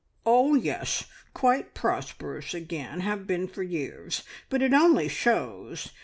"Oh, yes; quite prosperous again! Have been for years. But it only shows.